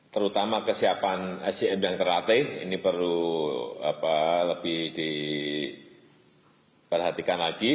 terutama kesiapan scm yang terlatih ini perlu lebih diperhatikan lagi